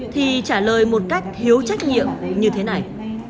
thì trả lời một cách thiếu trách nhiệm như thế này